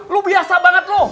lu biasa banget lu